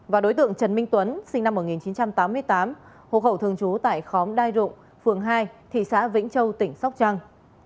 và đối tượng trần minh tuấn sinh năm một nghìn chín trăm tám mươi tám hộ khẩu thường trú tại khóm đai rụng phường hai thị xã vĩnh châu tỉnh sóc trăng